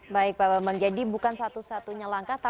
baik pak bambang jadi bukan satu satunya langkah